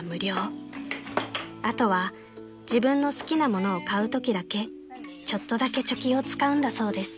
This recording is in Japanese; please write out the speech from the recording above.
［あとは自分の好きなものを買うときだけちょっとだけ貯金を使うんだそうです］